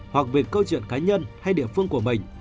hoặc về câu chuyện cá nhân hay địa phương của mình